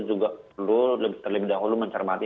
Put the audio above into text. juga perlu terlebih dahulu mencermati